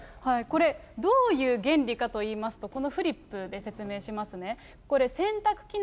これ、どういう原理かといいますと、このフリップで説明しますね。